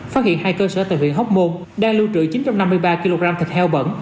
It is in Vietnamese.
phát hiện hai cơ sở tại huyện hóc môn đang lưu trữ chín trăm năm mươi ba kg thịt heo bẩn